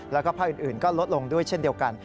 แล้วก็ภาคอื่นก็ลดลงด้วยเช่นเดียวกัน